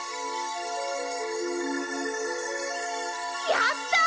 やった！